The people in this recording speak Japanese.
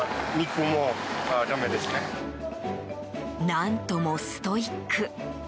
何ともストイック。